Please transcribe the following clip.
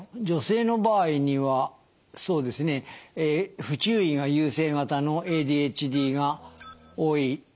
女性の場合にはそうですね不注意が優勢型のＡＤＨＤが多い。